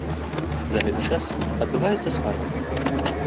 За гэты час адбываецца спарванне.